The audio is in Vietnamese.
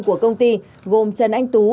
của công ty gồm trần anh tú